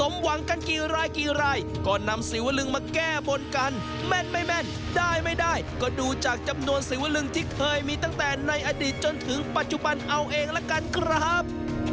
แม่นไม่แม่นได้ไม่ได้ก็ดูจากจำนวนสิวลึงที่เคยมีตั้งแต่ในอดีตจนถึงปัจจุบันเอาเองละกันครับ